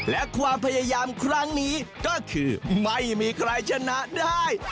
และความพยายามครั้งนี้ก็คือไม่มีใครชนะได้